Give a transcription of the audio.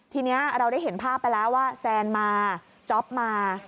ทีนี้เราได้เห็นภาพไปแล้วว่าแซนมาจ๊อปมา